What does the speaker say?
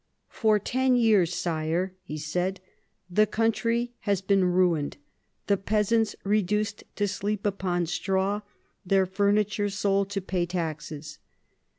" For ten years. Sire," he said, "the country has been ruined, the peasants reduced to sleep upon straw, their furniture sold to pay taxes.